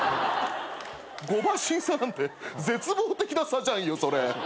５馬身差なんて絶望的な差じゃんよそれ！